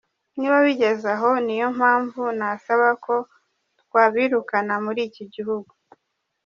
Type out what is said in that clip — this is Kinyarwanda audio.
Niba bigeze aho, niyo mpamvu nasaba ko twabirukana muri iki gihugu.”